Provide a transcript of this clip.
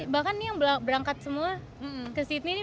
bahkan yang berangkat semua kesini juga gitu kan